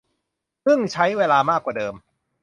ซึ่งใช้เวลามากกว่าเดิม